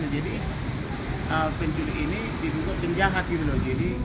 jadi penculik ini dibutuhkan jahat gitu loh